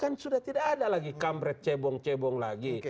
kan sudah tidak ada lagi kamret cebong cebong lagi